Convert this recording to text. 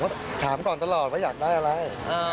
ก็ถามก่อนตลอดว่าอยากได้อะไร